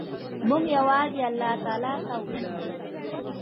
موږ یوازې الله ته وژاړو.